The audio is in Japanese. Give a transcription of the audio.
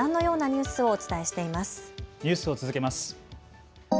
ニュースを続けます。